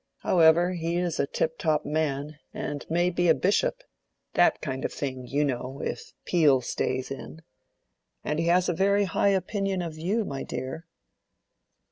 However, he is a tiptop man and may be a bishop—that kind of thing, you know, if Peel stays in. And he has a very high opinion of you, my dear."